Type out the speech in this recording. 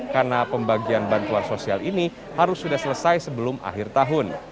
karena pembagian bantuan sosial ini harus sudah selesai sebelum akhir tahun